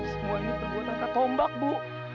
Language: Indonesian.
semua ini terbuat angkat tombak ibu